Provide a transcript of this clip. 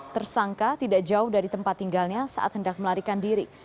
tersangka tidak jauh dari tempat tinggalnya saat hendak melarikan diri